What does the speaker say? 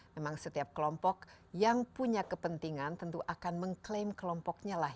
memang setiap kelompok yang punya kepentingan tentu akan mengklaim kelompoknya lah